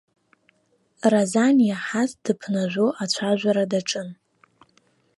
Разан иаҳаз дыԥнажәо ацәажәара даҿын.